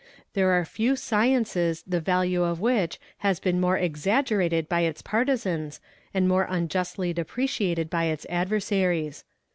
"There are few sciences the value of which has been more exaggerated by its partizans and more unjustly depreciated by its adversaries.